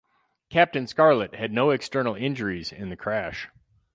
Captain Scarlet had no external injuries in the crash.